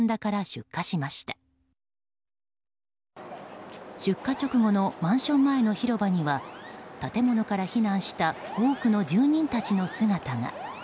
出火直後のマンション前の広場には、建物から避難した多くの住人たちの姿が。